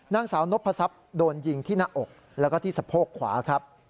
นางสาวนพศัพโดนยิงที่หน้าอกแล้วก็ที่สะโพกขวาครับ